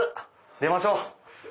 出ましょう！